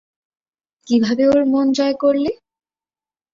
কীভাবে ওর মন জয় করলে?